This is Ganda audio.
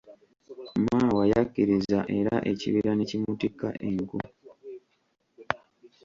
Maawa yakkiriza era ekibira ne kimutikka enku.